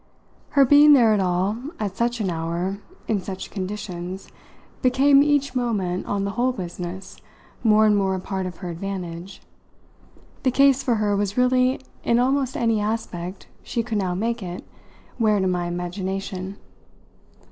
Her being there at all, at such an hour, in such conditions, became, each moment, on the whole business, more and more a part of her advantage; the case for her was really in almost any aspect she could now make it wear to my imagination.